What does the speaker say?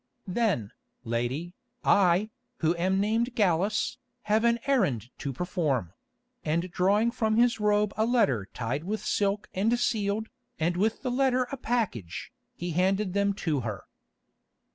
"Then, lady, I, who am named Gallus, have an errand to perform"; and drawing from his robe a letter tied with silk and sealed, and with the letter a package, he handed them to her.